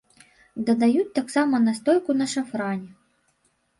Дадаюць таксама настойку на шафране.